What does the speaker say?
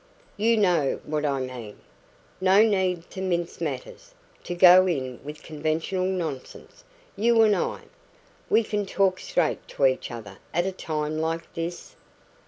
You know what I mean. No need to mince matters to go in for conventional nonsense you and I. We can talk straight to each other at a time like this?"